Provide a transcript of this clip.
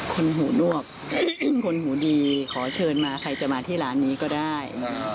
หูนวกคนหูดีขอเชิญมาใครจะมาที่ร้านนี้ก็ได้